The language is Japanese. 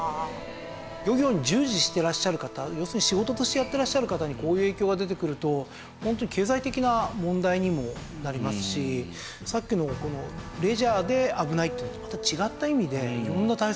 漁業に従事していらっしゃる方要するに仕事としてやっていらっしゃる方にこういう影響が出てくるとホントに経済的な問題にもなりますしさっきのレジャーで危ないっていうのとまた違った意味で色んな対策を考えていかなきゃいけない。